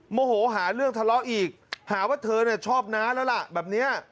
โมโหหาเรื่องทะเลาะอีกหาว่าเธอชอบน้าแล้วล่ะแบบนี้